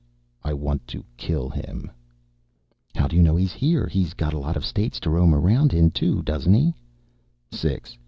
I want to kill him." "How do you know he's here? He's got a lot of states to roam around in, too, doesn't he?" "Six.